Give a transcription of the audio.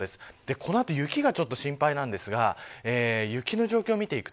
この後、雪が心配ですが雪の状況を見ていきます。